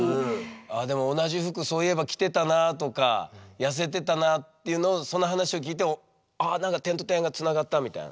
でも同じ服そういえば着てたなあとか痩せてたなあっていうのをその話を聞いてあ何か点と点がつながったみたいな？